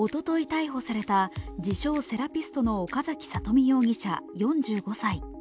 逮捕された自称セラピストの岡崎里美容疑者４５歳。